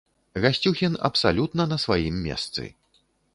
Гасцюхін абсалютна на сваім месцы.